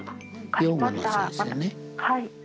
はい。